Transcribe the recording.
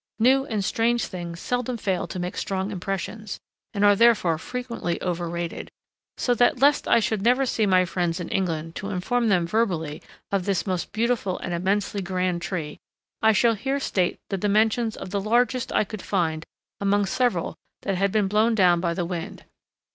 New and strange things seldom fail to make strong impressions, and are therefore frequently over rated; so that, lest I should never see my friends in England to inform them verbally of this most beautiful and immensely grand tree, I shall here state the dimensions of the largest I could find among several that had been blown down by the wind.